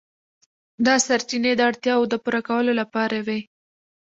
دا سرچینې د اړتیاوو د پوره کولو لپاره وې.